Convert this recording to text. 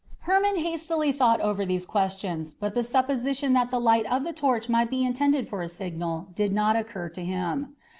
Hermon hastily thought over these questions, but the supposition that the light of the torch might be intended for a signal did not occur to him.